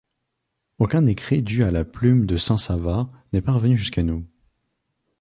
Aucun écrit dû à la plume de saint Sava n'est parvenu jusqu’à nous.